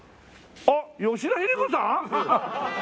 あっ吉田秀彦さん！？